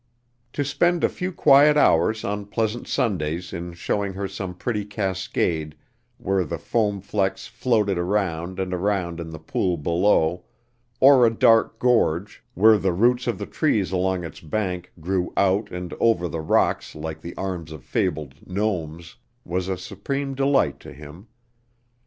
To spend a few quiet hours on pleasant Sundays in showing her some pretty cascade where the foam flecks floated around and around in the pool below; or a dark gorge, where the roots of the trees along its bank grew out and over the rocks like the arms of fabled gnomes, was a supreme delight to him.